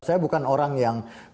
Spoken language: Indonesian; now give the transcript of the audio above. saya bukan orang yang